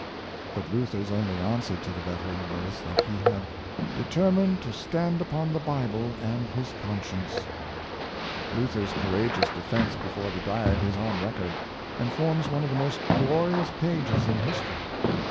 But Luther's only answer to the veteran was, that he had " determined to stand upon the Bible and his conscience." Luther's courageous defense before the Diet is on record, and forms one of the most glorious pages in history.